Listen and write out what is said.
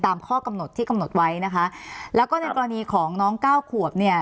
ข้อกำหนดที่กำหนดไว้นะคะแล้วก็ในกรณีของน้องเก้าขวบเนี่ย